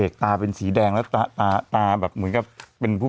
กำลังคุยถึงสวิตเกมกันอยู่